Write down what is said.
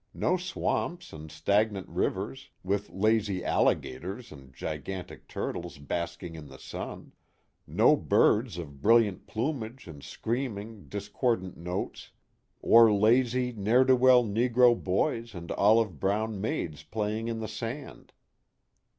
No swamps and stagnant rivers, with lazy alligators and gigantic turtles basking in the sun, no birds of brilliant plumage and scream ing, discordant notes, or lazy, ne'er do well negro boys and olive brown maids playing in the sand.